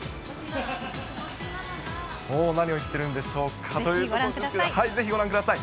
何を言ってるんでしょうかというぜひご覧ください。